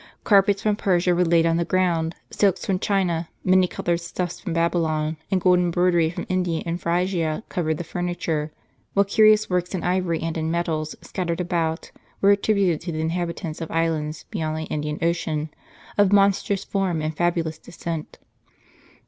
Carpets from Persia were laid on the ground, silks from China, many colored stuffs from Babylon, and gold embroidery from India and Phrygia covered the furniture; while curious works in ivory and in metals, scattered about, were attributed to the inhabitants of islands beyond the Indian ocean, of monstrous form and fabulous descent.